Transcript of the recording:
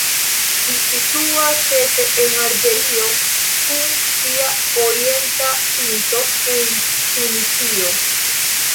Ĝi situas ĉefe en Alĝerio, kun sia orienta pinto en Tunizio.